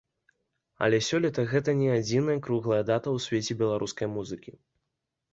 Але сёлета гэта не адзіная круглая дата ў свеце беларускай музыкі.